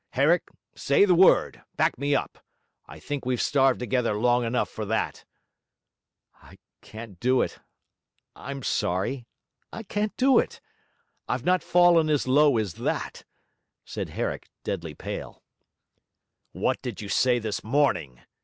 Herrick, say the word; back me up; I think we've starved together long enough for that.' 'I can't do it. I'm sorry. I can't do it. I've not fallen as low as that,' said Herrick, deadly pale. 'What did you say this morning?'